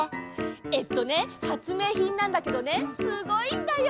えっとねはつめいひんなんだけどねすごいんだよ！